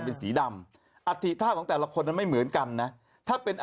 เป็นสีดำอัฐิท่าของแต่ละคนนั้นไม่เหมือนกันนะถ้าเป็น